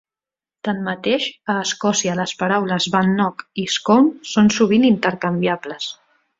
Tanmateix, a Escòcia les paraules "bannock" i "scone" són sovint intercanviables.